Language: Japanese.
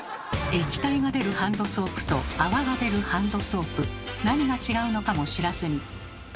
液体が出るハンドソープと泡が出るハンドソープ何が違うのかも知らずに。